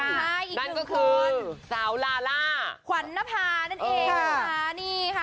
นั่นก็คือสาวลาล่าขวันนภานั่นเอง